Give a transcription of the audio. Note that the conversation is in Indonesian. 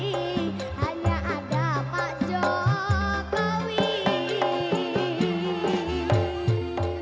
di hati ini hanya ada pak jokowi